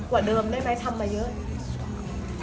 กว่าเดิมได้ไหมทำมาเยอะ